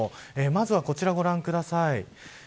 まずは、こちらご覧ください。